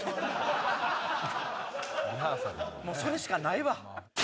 もうそれしかないわ。